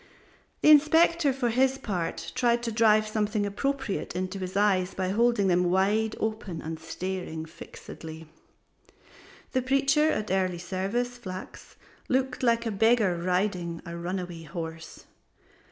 The Inspector for his part tried to drive something appropriate into his eyes by holding them wide open and staring fixedly. The Preacher at Early Service Flachs looked like a Jew beggar riding a runaway horse.